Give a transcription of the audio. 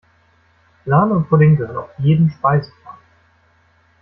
Sahne und Pudding gehören auf jeden Speiseplan.